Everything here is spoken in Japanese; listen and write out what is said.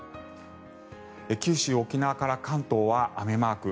九州、沖縄から関東は雨マーク。